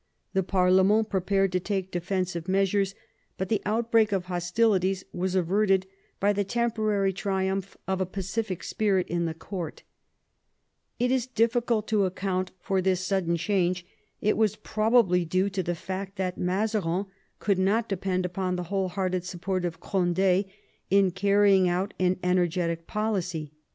The parlement pre pared to take defensive measiires, but the outbreak of hostilities was averted by the temporary triumph of a pacific spirit in the court It is difficult to account for this sudden change; it was probably due to the fact that Mazarin could not depend upon the whole hearted support of Cond^ in carrying out an energetic policy.